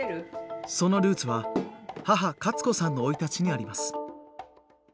そのルーツは母カツ子さんの生い立ちにあります。